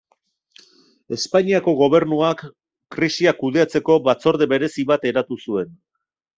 Espainiako Gobernuak krisia kudeatzeko batzorde berezi bat eratu zuen.